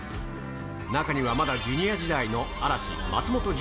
中にはまだジュニア時代の嵐・松本潤。